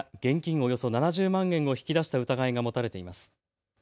およそ７０万円を引き出した疑いが持たれています。